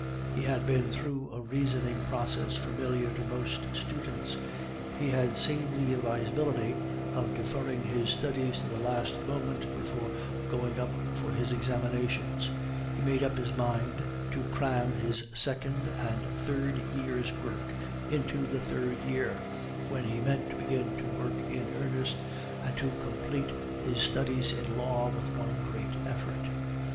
He had been through a reasoning process familiar to most students. He had seen the advisability of deferring his studies to the last moment before going up for his examinations; he made up his mind to cram his second and third years' work into the third year, when he meant to begin to work in earnest, and to complete his studies in law with one great effort.